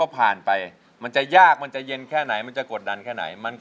พาพามาได้แต่อย่าให้สวยกัน